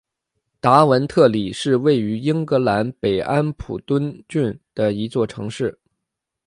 达文特里是位于英格兰北安普敦郡的一座城市。